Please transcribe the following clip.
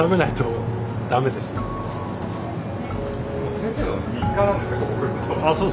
先生の日課なんですね